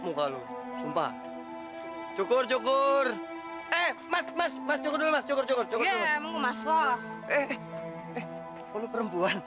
muka lu sumpah cukur cukur eh mas mas mas cukur cukur cukur cukur maslo eh eh eh perempuan